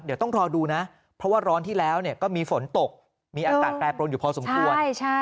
เดี๋ยวต้องรอดูนะเพราะว่าร้อนที่แล้วก็มีฝนตกมีอากาศแปรปรนอยู่พอสมควร